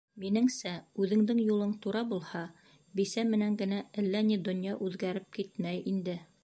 Минеңсә, үҙеңдең юлың тура булһа, бисә менән генә әллә ни донъя үҙгәреп китмәй инде.